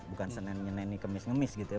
bukan senin yeni kemis ngemis gitu ya